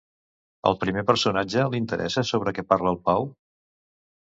Al primer personatge li interessa sobre què parla el Pau?